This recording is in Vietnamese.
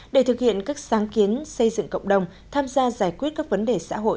để thực hiện các sáng kiến xây dựng cộng đồng tham gia giải quyết các vấn đề xã hội